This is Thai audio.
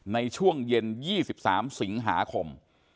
ในช่วงเย็น๒๓สิงหาคม